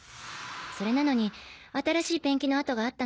それなのに新しいペンキの跡があったのが気になるのよ。